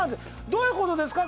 どういうことですか？